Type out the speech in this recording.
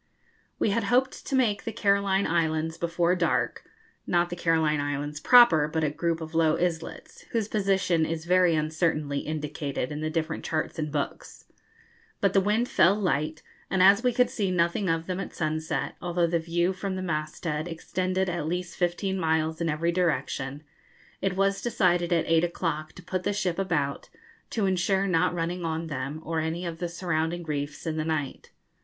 We had hoped to make the Caroline Islands before dark (not the Caroline Islands proper, but a group of low islets, whose position is very uncertainly indicated in the different charts and books); but the wind fell light, and as we could see nothing of them at sunset, although the view from the masthead extended at least fifteen miles in every direction, it was decided at eight o'clock to put the ship about, to insure not running on them or any of the surrounding reefs in the night.